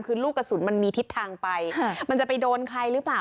คือลูกกระสุนมันมีทิศทางไปมันจะไปโดนใครหรือเปล่า